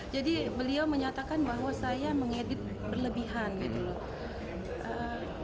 jadi beliau menyatakan bahwa saya mengedit berlebihan gitu loh